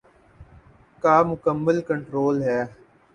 کا مکمل کنٹرول ہے۔